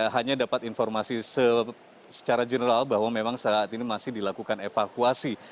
hanya dapat informasi secara general bahwa memang saat ini masih dilakukan evakuasi